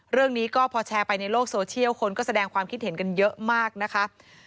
เรื่องนี้ก็พอแชร์ไปในโลกโซเชียลคนก็แสดงความคิดเห็นกันเยอะมากนะคะ